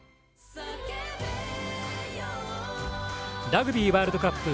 ラグビーワールドカップ